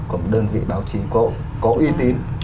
của một đơn vị báo chí có uy tín